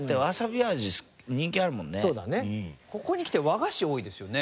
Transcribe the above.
だってここにきて和菓子多いですよね。